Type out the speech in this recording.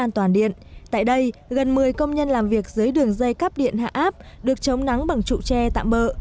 tại đây gần một mươi công nhân làm việc dưới đường dây cắp điện hạ áp được chống nắng bằng trụ tre tạm bỡ